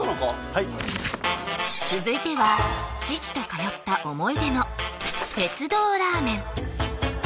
はい続いては父と通った思い出の鉄道ラーメン